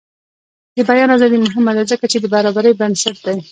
د بیان ازادي مهمه ده ځکه چې د برابرۍ بنسټ دی.